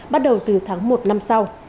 bắt đầu từ tháng một năm sau